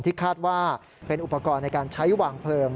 คาดว่าเป็นอุปกรณ์ในการใช้วางเพลิง